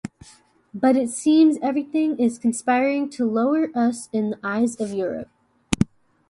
But it seems everything is conspiring to lower us in the eyes of Europe.